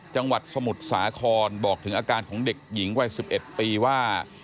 จังหวัดสมุทรสาครบอกถึงอาการของเด็กหญิงวัย๑๑ปีว่า